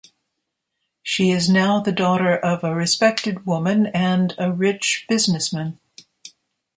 She is now the daughter of a respected woman and a rich businessman.